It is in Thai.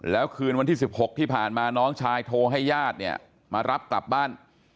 แล้วคืนวันที่๑๖ที่ผ่านมาน้องชายโทรให้ญาติเนี่ยมารับกลับบ้าน